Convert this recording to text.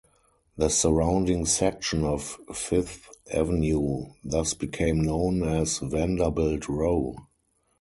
The surrounding section of Fifth Avenue thus became known as "Vanderbilt Row".